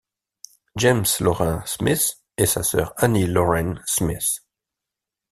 James Lorrain Smith et sa sœur Annie Lorrain Smith.